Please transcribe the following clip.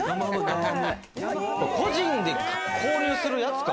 個人で購入するやつか？